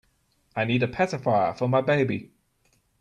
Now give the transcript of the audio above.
I need a pacifier for my baby.